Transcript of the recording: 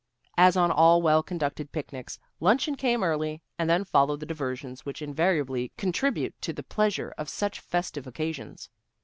As on all well conducted picnics, luncheon came early, and then followed the diversions which invariably contribute to the pleasure of such festive occasions.